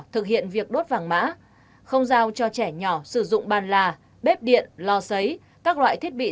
thực hiện việc đốt vàng mã không giao cho trẻ nhỏ sử dụng bàn là bếp điện lò xấy các loại thiết bị